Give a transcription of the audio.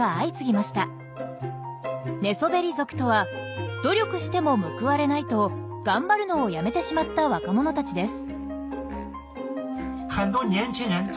寝そべり族とは「努力しても報われない」と頑張るのをやめてしまった若者たちです。